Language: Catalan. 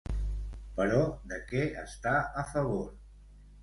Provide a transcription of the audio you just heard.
Però, de què està a favor?